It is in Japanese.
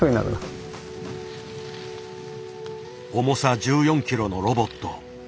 重さ１４ｋｇのロボット。